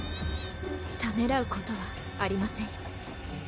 ためらうことはありませんよ。